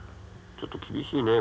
ちょっと厳しいね。